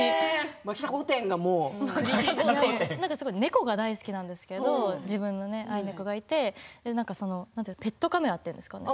猫が大好きなんですけど自慢の愛猫がいてペットカメラというんですかね？